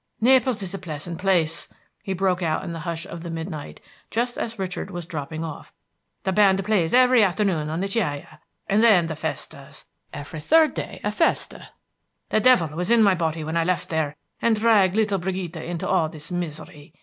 "Naples is a pleasant place!" he broke out in the hush of the midnight, just as Richard was dropping off. "The band plays every afternoon on the Chiaia. And then the festas, every third day a festa. The devil was in my body when I left there and dragged little Brigida into all this misery.